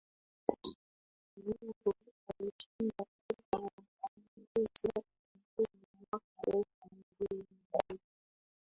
Uhuru alishindwa katika uchaguzi mkuu wa mwaka elfu mbili na mbili